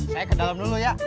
saya ke dalam dulu ya